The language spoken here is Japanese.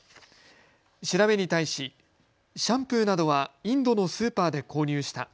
調べに対しシャンプーなどはインドのスーパーで購入した。